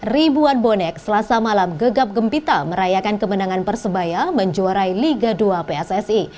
ribuan bonek selasa malam gegap gempita merayakan kemenangan persebaya menjuarai liga dua pssi